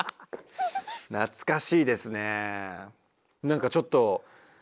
なつかしいですね！